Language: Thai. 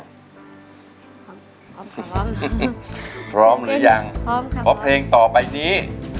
พร้อมครับพร้อมหรือยังเพราะเพลงต่อไปนี้